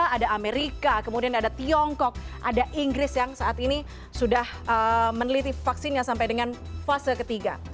ada amerika kemudian ada tiongkok ada inggris yang saat ini sudah meneliti vaksinnya sampai dengan fase ketiga